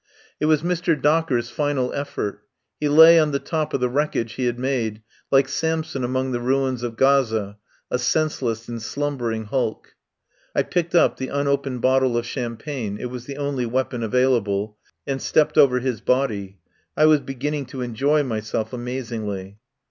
It was Mr. Docker's final effort. He lay on the top of the wreckage he had made, like Samson among the ruins of Gaza, a senseless and slumbering hulk. I picked up the unopened bottle of cham pagne — it was the only weapon available — and stepped over his body. I was beginning to enjoy myself amazingly.